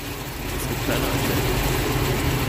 Es gibt keine Einwände.